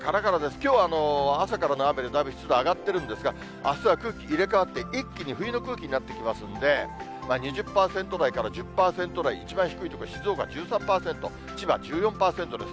きょうは朝からの雨で、だいぶ湿度上がってるんですが、あすは空気入れ代わって一気に冬の空気になっていきますんで、２０％台から１０％台、一番低いとこ、静岡１３％、千葉１４％です。